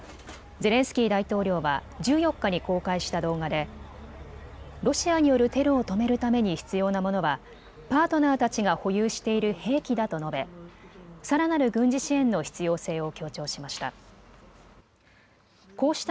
ゼレンスキー大統領は１４日に公開した動画でロシアによるテロを止めるために必要なものはパートナーたちが保有している兵器だと述べ、さらなる軍事支援の必要性を強調しました。